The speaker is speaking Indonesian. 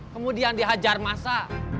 kemudian dihajar masa